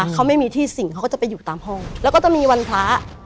เขาไม่มีที่สิ่งเขาก็จะไปอยู่ตามห้องแล้วก็จะมีวันพระ